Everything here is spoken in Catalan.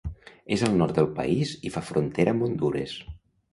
És al nord del país i fa frontera amb Hondures.